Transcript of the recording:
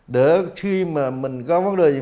để khi mà mình có vấn đề gì